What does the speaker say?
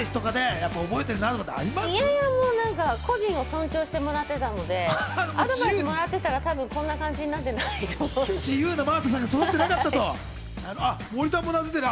いえいえ個人を尊重してもらっていたので、アドバイスもらってたら多分こんな感じになってないと思う。